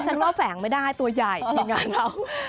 ดิฉันว่าแฝงไม่ได้ตัวใหญ่ยังไงนะ